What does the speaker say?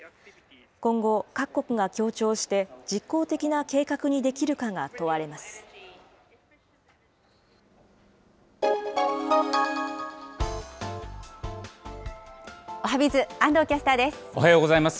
今後、各国が協調して実効的な計画にできるかが問われます。